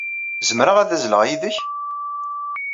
Zemreɣ ad azzleɣ yid-k?